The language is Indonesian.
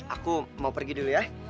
aku mau pergi dulu ya